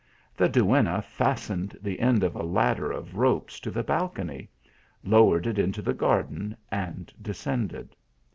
The duenna fastened the end of a ladder of ropes to the balcony, lowered it into the garden, and descended.